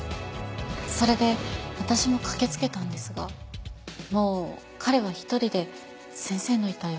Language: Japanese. それで私も駆けつけたんですがもう彼は一人で先生の遺体を運び出したあとで。